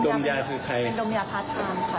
ดมยาพาท